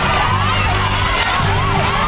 จะทำเวลาไหมครับเนี่ย